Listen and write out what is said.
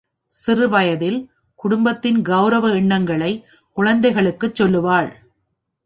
சிறுவயதில், குடும்பத்தின் கெளரவ எண்ணங்களை, குழந்தைகளுக்குச் சொல்லுவாள்.